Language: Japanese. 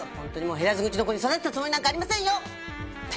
減らず口の子に育てたつもりなんかありませんよ！って